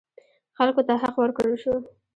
خلکو ته حق ورکړل شو.